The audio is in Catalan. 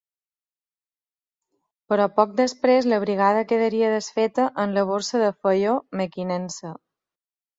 Però poc després la brigada quedaria desfeta en la Borsa de Faió-Mequinensa.